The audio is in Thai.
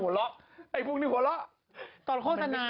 โอ้โฮโคตรบรรยา